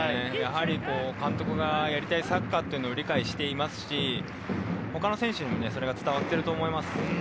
やはり監督がやりたいサッカーを理解していますし、他の選手にもそれが伝わってると思います。